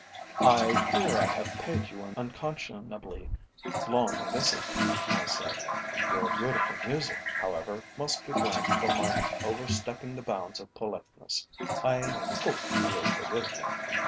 "I fear I have paid you an unconscionably long visit," I said. "Your beautiful music, however, must be blamed for my over stepping the bounds of politeness. I hope you will forgive me?"